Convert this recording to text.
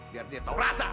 biar dia tahu rasa